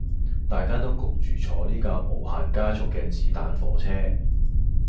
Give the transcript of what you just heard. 大家都焗住坐呢架無限加速嘅子彈火車